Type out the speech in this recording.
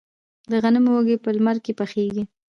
د غنمو وږي په لمر کې پخیږي.